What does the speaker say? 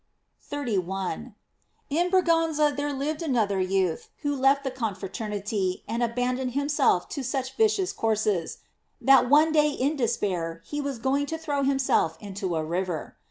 f 31. — In Braganza there lived another youth who left the confraternity and abandoned him self to such vicious courses, that one day in de spair, he was going to throw himself into a river.